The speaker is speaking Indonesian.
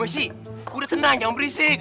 bunga sih udah tenang jangan berisik